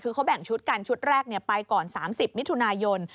คือเขาแบ่งชุดกันชุดแรกไปก่อน๓๐มิถุนายน